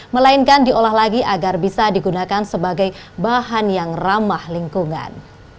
melainkan diolah lagi agar bisa digunakan sebagai bahan yang ramah lingkungan